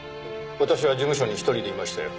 私は事務所に１人でいましたよ。